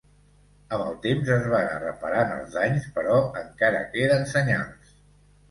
Amb el temps es va anar reparant els danys però encara queden senyals.